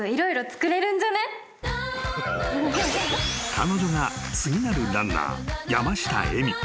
［彼女が次なるランナー山下笑美］